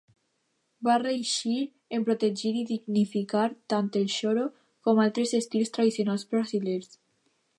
Va reeixir en protegir i dignificar tant el xoro com altres estils tradicionals brasilers.